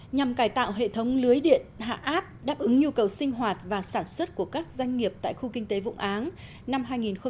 nhằm cài tạo hệ thống lưới điện hạ áp đáp ứng nhu cầu sinh hoạt và sản xuất của các doanh nghiệp tại khu kinh tế vũng áng năm hai nghìn một mươi năm